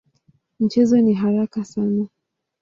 Mchezo ni haraka sana.